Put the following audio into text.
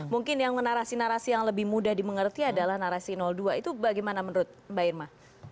mungkin yang narasi narasi yang lebih mudah dimengerti adalah narasi dua itu bagaimana menurut mbak irma